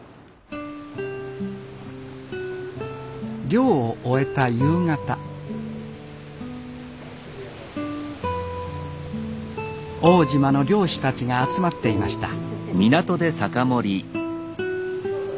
漁を終えた夕方奥武島の漁師たちが集まっていました